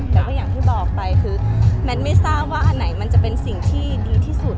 แต่ก็อย่างที่บอกไปคือแมทไม่ทราบว่าอันไหนมันจะเป็นสิ่งที่ดีที่สุด